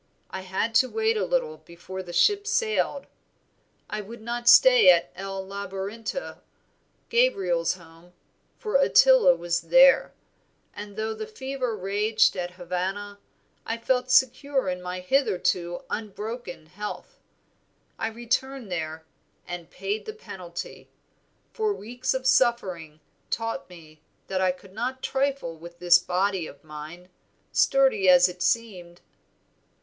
I had to wait a little before the ship sailed; I would not stay at El Labarinto, Gabriel's home, for Ottila was there; and though the fever raged at Havana, I felt secure in my hitherto unbroken health. I returned there, and paid the penalty; for weeks of suffering taught me that I could not trifle with this body of mine, sturdy as it seemed."